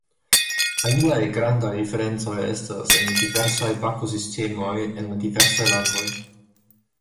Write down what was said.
Aliaj grandaj diferncoj estas en la diversaj bakosistemoj en la diversaj landoj.